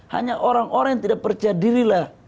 hanya orang orang yang tidak percaya dirilah